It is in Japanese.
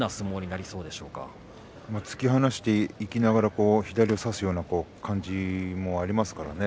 突き放していきながら左を差すような感じもありますからね。